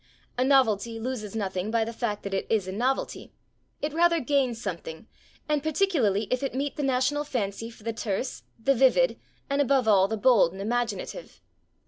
A novelty loses nothing by the fact that it is a novelty; it rather gains something, and particularly if it meet the national fancy for the terse, the vivid, and, above all, the bold and imaginative.